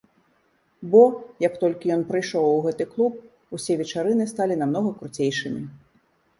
Бо, як толькі ён прыйшоў ў гэты клуб, усе вечарыны сталі намнога круцейшымі!